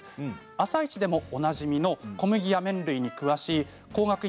「あさイチ」でもおなじみの小麦や麺類に詳しい専門家